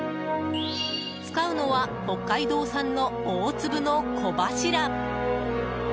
使うのは北海道産の大粒の小柱。